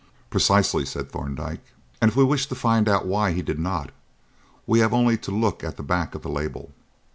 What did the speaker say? "Precisely," said Thorndyke. "And if we wish to find out why he did not, we have only to look at the back of the label.